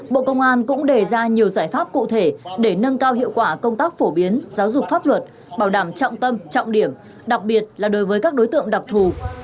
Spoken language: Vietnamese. bộ công an cũng đề ra nhiều giải pháp cụ thể để nâng cao hiệu quả công tác phổ biến giáo dục pháp luật bảo đảm trọng tâm trọng điểm đặc biệt là đối với các đối tượng đặc thù